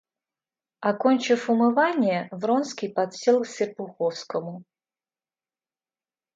Окончив умывание, Вронский подсел к Серпуховскому.